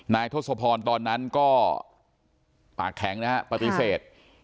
ทศพรตอนนั้นก็ปากแข็งนะฮะปฏิเสธ